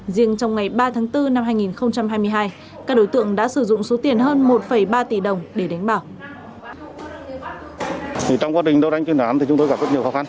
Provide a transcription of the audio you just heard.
riêng trong ngày ba tháng bốn năm hai nghìn hai mươi hai các đối tượng đã sử dụng số tiền hơn một ba tỷ đồng để đánh bạc